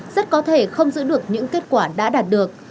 rất có thể không giữ được những kết quả đã đạt được